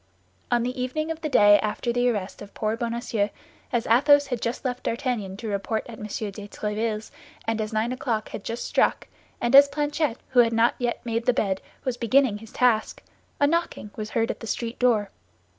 On the evening of the day after the arrest of poor Bonacieux, as Athos had just left D'Artagnan to report at M. de Tréville's, as nine o'clock had just struck, and as Planchet, who had not yet made the bed, was beginning his task, a knocking was heard at the street door.